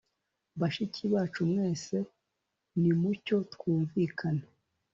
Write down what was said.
bashiki bacu mwese nimucyo twumvikane